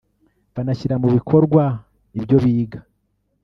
banashyira mu bikorwa ibyo biga